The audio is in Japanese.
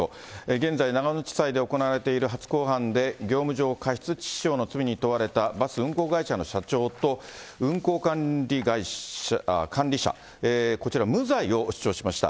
現在、長野地裁で行われている初公判で、業務上過失致死傷の罪に問われたバス運行会社の社長と、運行管理者、こちら、無罪を主張しました。